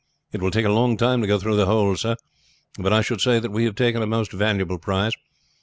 "It will take a long time to go through the whole sir, but I should say that we have taken a most valuable prize.